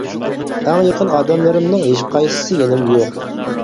ئەڭ يېقىن ئادەملىرىمنىڭ ھېچقايسىسى يېنىمدا يوق.